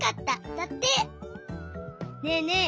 ねえねえ